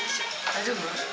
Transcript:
大丈夫？